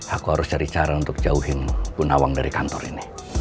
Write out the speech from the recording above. aku harus cari cara untuk jauhin bunawang dari kantor ini